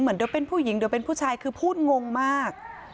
เหมือนเดี๋ยวเป็นผู้หญิงเดี๋ยวเป็นผู้ชายคือพูดงงมาก